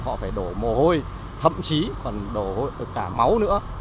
họ phải đổ mồ hôi thậm chí còn đổ cả máu nữa